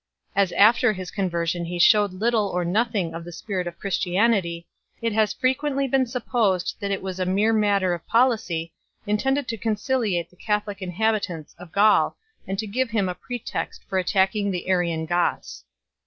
As after his conversion he shewed little or nothing of the spirit of Christianity, it has frequently been supposed that it was a mere matter of policy, intended to conciliate the Catholic inhabitants of Gaul and to give him a pretext for attacking the Arian Goths.